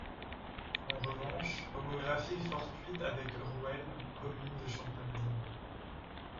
En revanche, homographie fortuite avec Rouelles, commune de Champagne.